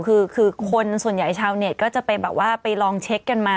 คือคนส่วนใหญ่ชาวเน็ตก็จะไปแบบว่าไปลองเช็คกันมา